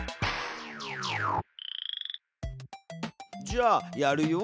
じゃあやるよ。